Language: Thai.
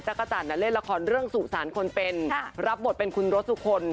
กระจันทเล่นละครเรื่องสุสานคนเป็นรับบทเป็นคุณรสสุคน